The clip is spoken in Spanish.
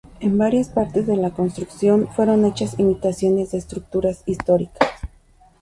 En varias partes de la construcción fueron hechas imitaciones de estructuras históricas.